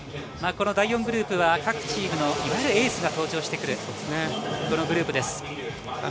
この第４グループは各チームのいわゆるエースが登場してくるグループです。